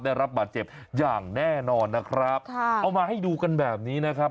ได้รับบาดเจ็บอย่างแน่นอนนะครับค่ะเอามาให้ดูกันแบบนี้นะครับ